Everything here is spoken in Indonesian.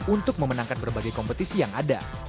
untuk memenangkan berbagai kompetisi yang ada